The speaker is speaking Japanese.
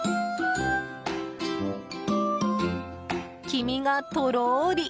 黄身がとろーり。